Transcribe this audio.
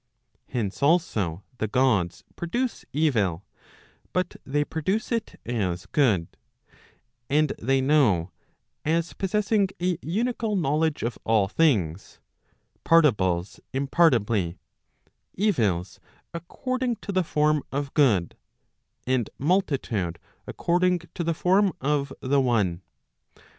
Hence also the Gods produce evil, but they produce it as good ; and they know, as possessing a unical knowledge of all things, partibles impartibly, evils according to the form of good, and multitude according to the form of the one.